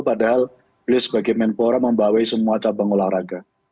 padahal beliau sebagai menpora membawai semua cabang olahraga